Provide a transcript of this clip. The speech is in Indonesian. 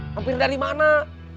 mampir dari mana